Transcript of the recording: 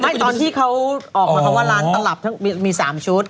ไม่ตอนที่เขาออกมาเพราะว่าล้านตลับมีสามชุด